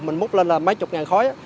mình múc lên là mấy chục ngàn khói